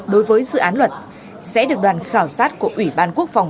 đối với dự án luật sẽ được đoàn khảo sát của ủy ban quốc phòng